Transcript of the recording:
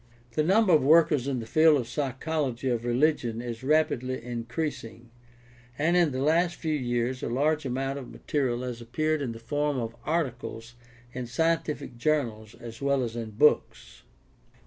The number of workers in the field of psychology of religion is rapidly increasing, and in the last few years a large amount of material has appeared in the form of articles in scientific journals as well as in books.